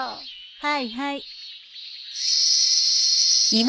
はいはい。